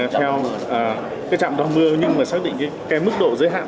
theo cái chạm đau mưa nhưng mà xác định cái mức đó